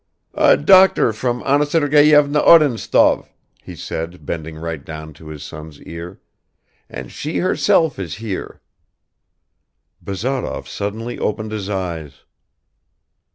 "A doctor from Anna Sergeyevna Odintsov," he said, bending right down to his son's ear, "and she herself is here." Bazarov suddenly opened his eyes.